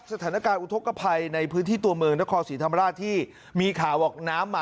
สถานการณ์อุทธกภัยในพื้นที่ตัวเมืองนครศรีธรรมราชที่มีข่าวบอกน้ำมา